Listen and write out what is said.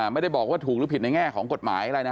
ไม่ได้บอกว่าถูกหรือผิดในแง่ของกฎหมายอะไรนะ